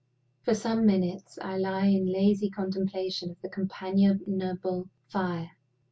For some minutes I lie in lazy contemplation of the companionable fire.